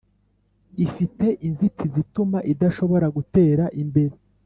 ifite inzitizi ituma idashobora gutera imbere.